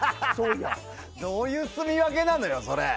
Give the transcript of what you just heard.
どういう住み分けなのよ、それ。